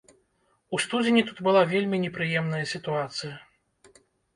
У студзені тут была вельмі непрыемная сітуацыя.